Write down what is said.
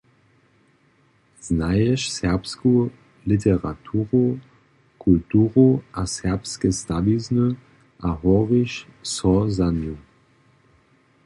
Znaješ serbsku literaturu, kulturu a serbske stawizny a horiš so za nju.